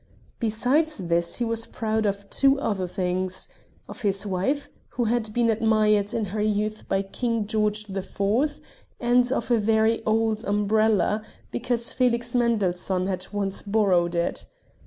Besides this he was proud of two other things: of his wife, who had been admired in her youth by King George IV. and of a very old umbrella, because Felix Mendelssohn had once borrowed it.